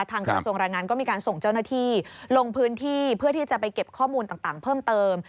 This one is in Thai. กระทรวงแรงงานก็มีการส่งเจ้าหน้าที่ลงพื้นที่เพื่อที่จะไปเก็บข้อมูลต่างเพิ่มเติม